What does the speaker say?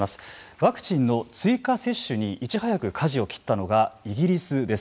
ワクチンの追加接種にいち早くかじを切ったのがイギリスです。